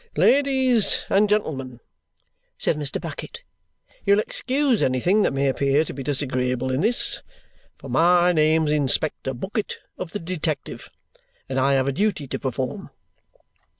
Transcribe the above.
"Ladies and gentlemen," said Mr. Bucket, "you'll excuse anything that may appear to be disagreeable in this, for my name's Inspector Bucket of the Detective, and I have a duty to perform.